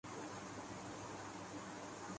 اصل بات ہے۔